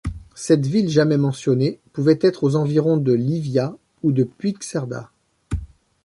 Cette ville jamais mentionnée pouvait être aux environs de Llivia ou de Puigcerda.